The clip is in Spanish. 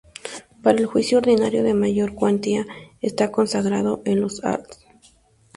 Para el juicio ordinario de mayor cuantía, está consagrado en los arts.